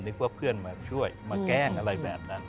เพื่อนมาช่วยมาแกล้งอะไรแบบนั้น